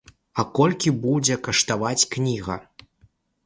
Колькі будзе каштаваць кніга?